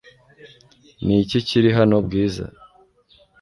Ni iki kiri hano, Bwiza?